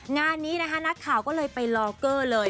งานนี้นะคะนักข่าวก็เลยไปลอเกอร์เลย